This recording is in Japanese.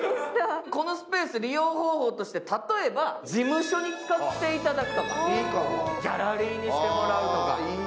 このスペース、利用方法として例えば、事務所に使っていただくとか、ギャラリーにしてもらうとか。